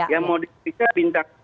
yang mau diperiksa bintang dua